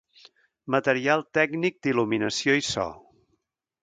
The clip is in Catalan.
Material tècnic d'il·luminació i so.